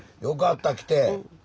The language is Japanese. よかった来て。